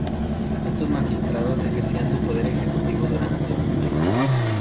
Estos magistrados ejercían el poder ejecutivo durante un mes.